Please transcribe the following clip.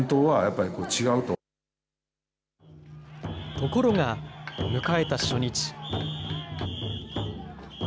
ところが、迎えた初日。